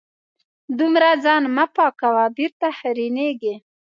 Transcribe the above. دومره ځان مه پاکوه .بېرته خیرنېږې